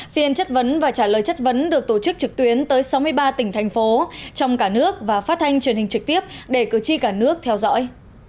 phiên chất vấn và trả lời chất vấn được tổ chức trực tuyến tới sáu mươi ba tỉnh thành phố trong cả nước và phát thanh truyền hình trực tiếp để cử tri cả nước theo dõi